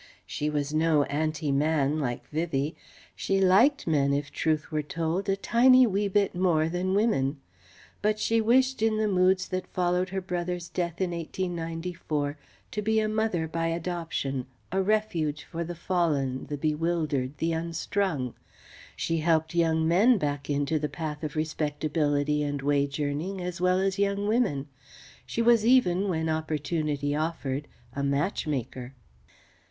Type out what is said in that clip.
She was no "anti man," like Vivie. She liked men, if truth were told, a tiny wee bit more than women. But she wished in the moods that followed her brother's death in 1894 to be a mother by adoption, a refuge for the fallen, the bewildered, the unstrung. She helped young men back into the path of respectability and wage earning as well as young women. She was even, when opportunity offered, a matchmaker.